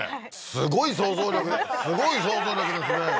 すごい想像力すごい想像力ですねふふ